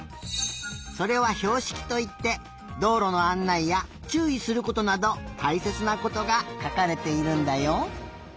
それはひょうしきといってどうろのあんないやちゅういすることなどたいせつなことがかかれているんだよ。